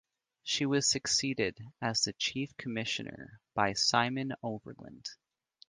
She was succeeded as Chief Commissioner by Simon Overland.